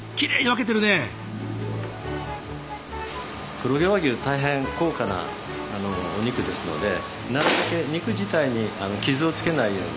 黒毛和牛大変高価なお肉ですのでなるべく肉自体に傷をつけないように。